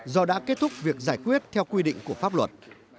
do đã kết thúc việc giải quyết theo quy định của pháp luật